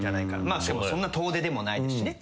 まあしかもそんな遠出でもないですしね。